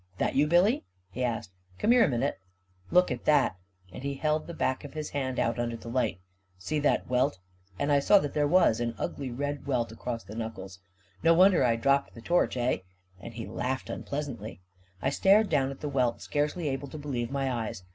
"That you, Billy?" he asked. "Come here a minute. Look at that 1 " and he held the back of his hand out under the light. " See that welt ?" and I saw that there was an ugly red welt across the knuckles. "No wonder I dropped the torch, eh ?" and he laughed unpleasantly. I stared down at the welt, scarcely able to believe my eyes.